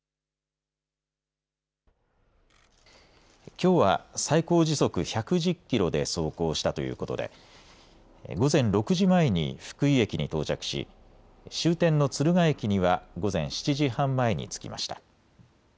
きょうは最高時速１１０キロで走行したということで午前６時前に福井駅に到着し終点の敦賀駅には午前７時半前に着きました。